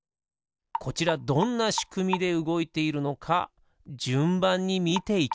こちらどんなしくみでうごいているのかじゅんばんにみていきましょう。